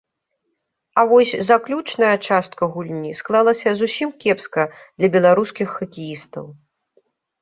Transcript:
А вось заключная частка гульні склалася зусім кепска для беларускіх хакеістаў.